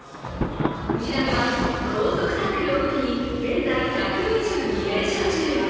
藤波は、高速タックルを武器に現在、１２２連勝中。